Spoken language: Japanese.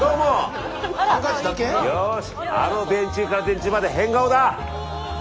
よしあの電柱から電柱まで変顔だ！